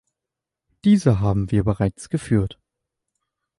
Diese haben wir bereits geführt.